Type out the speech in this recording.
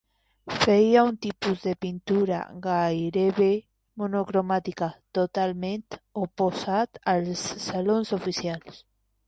Feia un tipus de pintura gairebé monocromàtica, totalment oposat als salons oficials.